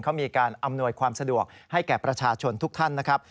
เขามีการอำนวยความสะดวกให้แก่ประชาชนทุกท่านนะครับ